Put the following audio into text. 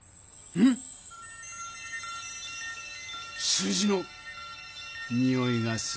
数字のにおいがするな。